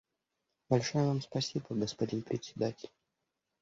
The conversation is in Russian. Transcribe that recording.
Большое Вам спасибо, господин Председатель.